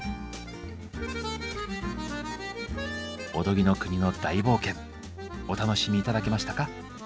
おとぎの国の大冒険お楽しみ頂けましたか？